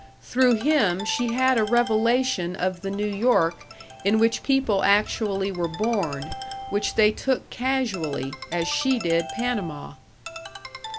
Through him she had a revelation of the New York in which people actually were born, which they took casually, as she did Panama.